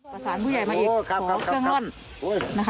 ประสานผู้ใหญ่มาอีกขอเครื่องร่อนนะคะ